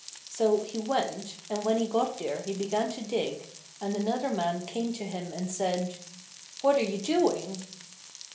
So he went, and when he got there he began to dig, and another man came to him and said: 'What are you doing?'